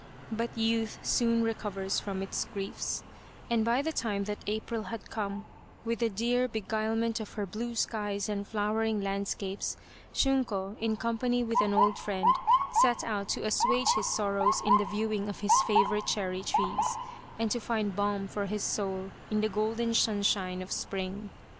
But youth soon recovers from its griefs, and by the time that April had come with the dear beguilement of her blue skies and flowering landscapes, Shunko, in company with an old friend, set out to assuage his sorrows in the viewing of his favourite cherry trees, and to find balm for his soul in the golden sunshine of spring.